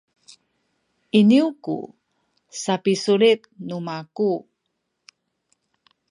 iniyu ku sapisulit nu maku